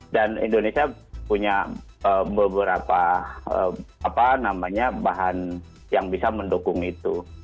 dan indonesia punya beberapa apa namanya bahan yang bisa mendukung itu